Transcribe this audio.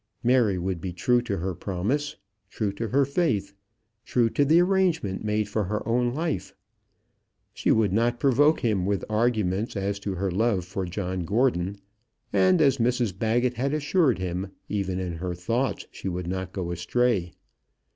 Mary would be true to her promise; true to her faith, true to the arrangement made for her own life. She would not provoke him with arguments as to her love for John Gordon; and, as Mrs Baggett had assured him, even in her thoughts she would not go astray.